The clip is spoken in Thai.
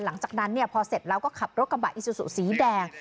หลังจากนั้นเนี่ยพอเสร็จแล้วก็ขับรถกำบัดอิซุสุสีแดง